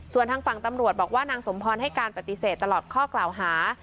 ส่วนทางฝั่งตำรวจบอกว่านางสมพรให้การปฏิเสธตลอดข้อกล่าวหา